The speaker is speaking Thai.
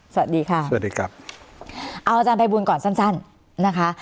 สวัสดีค่ะสวัสดีครับเอาอาจารย์ภัยบูลก่อนสั้นสั้นนะคะ